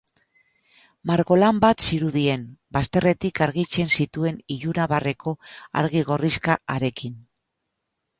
Margolan bat zirudien, bazterretik argitzen zituen ilunabarreko argi gorrixka harekin.